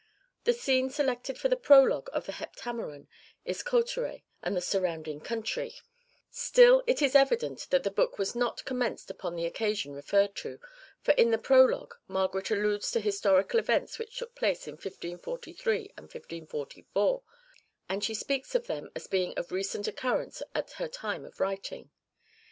The scene selected for the prologue of the Heptameron is Cauterets and the surrounding country; still it is evident that the book was not commenced upon the occasion referred to, for in the prologue Margaret alludes to historical events which took place in 1543 and 1544, and she speaks of them as being of recent occurrence at her time of writing.